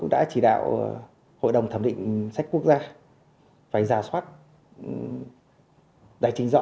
chúng tôi cũng đã chỉ đạo hội đồng thẩm định sách quốc gia phải rà soát giải trình rõ những nội dung mà còn có ý kiến góp ý